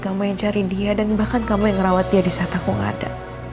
kamu yang cari dia dan bahkan kamu yang ngerawat dia di saat aku nggak ada